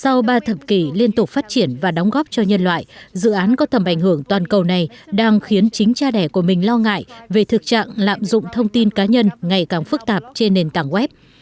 sau ba thập kỷ liên tục phát triển và đóng góp cho nhân loại dự án có tầm ảnh hưởng toàn cầu này đang khiến chính cha đẻ của mình lo ngại về thực trạng lạm dụng thông tin cá nhân ngày càng phức tạp trên nền tảng web